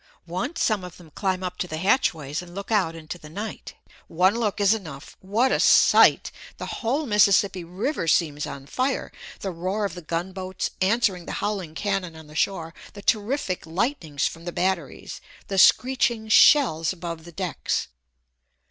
Once some of them climb up to the hatchways and look out into the night. One look is enough! What a sight! The whole Mississippi River seems on fire, the roar of the gunboats answering the howling cannon on the shore, the terrific lightnings from the batteries, the screeching shells above the decks.